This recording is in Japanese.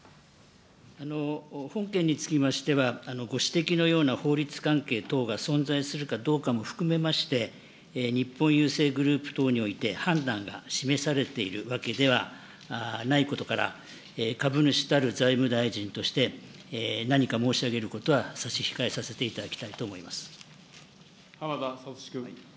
本件につきましては、ご指摘のような法律関係等が存在するかどうかも含めまして、日本郵政グループ等において判断が示されているわけではないことから、株主たる財務大臣として、何か申し上げることは差し控えさせて浜田聡君。